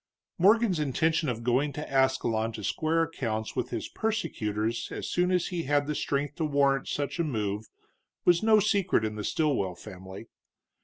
Morgan's intention of going to Ascalon to square accounts with his persecutors as soon as he had the strength to warrant such a move was no secret in the Stilwell family.